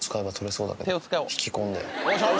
引き込んで。